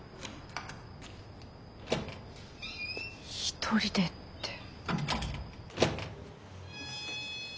一人でって。